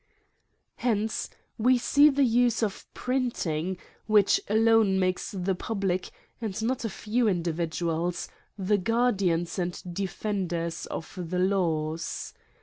Hence we see the use of printing, which alone makes the public, and not a few individuals, the guardians and defenders of the laws.